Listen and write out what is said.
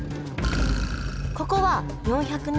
ここは４００年